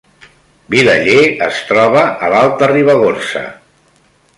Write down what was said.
Vilaller es troba a l’Alta Ribagorça